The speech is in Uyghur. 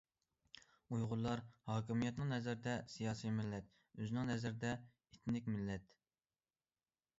ئۇيغۇرلار ھاكىمىيەتنىڭ نەزىرىدە« سىياسىي مىللەت»، ئۆزىنىڭ نەزىرىدە« ئېتنىك مىللەت».